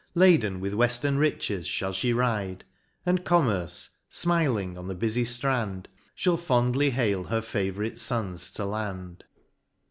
Laden with weftern riches fhall fhe ride; And Commerce fmiling on the bufy flrand. Shall fondly hail her favourite fons to land.